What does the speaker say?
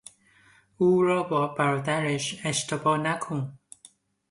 او را با برادرش اشتباه نکن!